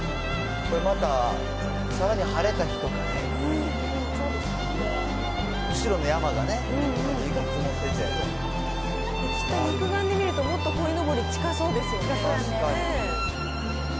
またさらに晴れた日とかね、後ろの山がね、きっと肉眼で見ると、もっとこいのぼり近そうですよね。